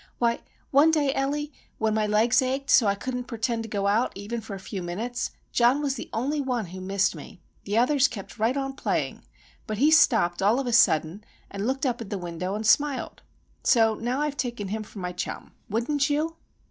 Why, one day, Ellie, when my legs ached so I couldn't pertend to go out, even for a few minutes, John was the only one who missed me! The others kept right on playing:—but he stopped all of a sudden, and looked up at the window, and smiled. So now I've taken him for my chum:—wouldn't you?"